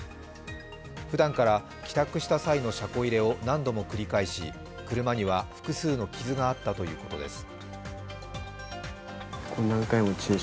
ふだんから帰宅した際の車庫入れを何度も繰り返し車には複数の傷があったということです。